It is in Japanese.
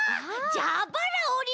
じゃばらおりね！